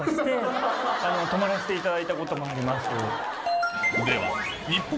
泊まらせていただいたこともあります。